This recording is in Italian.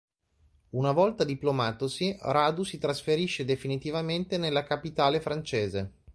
Una volta diplomatosi, Radu si trasferisce definitivamente nella capitale francese.